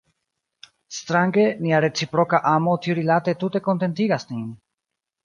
Strange, nia reciproka amo tiurilate tute kontentigas nin.